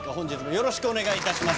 よろしくお願いします。